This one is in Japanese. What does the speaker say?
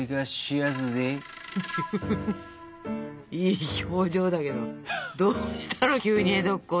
いい表情だけどどうしたの急に江戸っ子で。